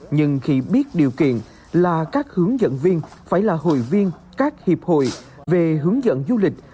nhưng khi biết điều kiện là các hướng dẫn viên phải là hội viên các hiệp hội về hướng dẫn du lịch